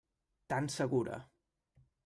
Tan segura.